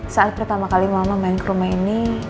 saat pertama kali mama main ke rumah ini